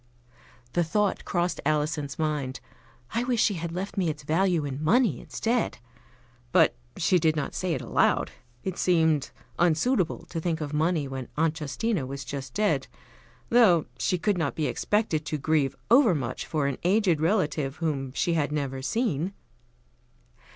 The thought crossed Alison's mind: "I wish she had left me its value in money instead;" but she did not say it aloud. It seemed unsuitable to think of money when Aunt Justina was just dead, though she could not be expected to grieve over much for an aged relative whom she had never seen.